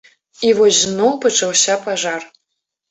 І вось зноў пачаўся пажар.